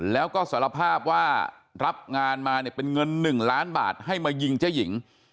แล้วก็สารภาพว่ารับงานมาเนี่ยเป็นเงิน๑ล้านบาทให้มายิงเจ๊หญิง